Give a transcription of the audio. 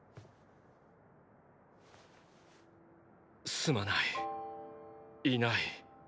すまないいない。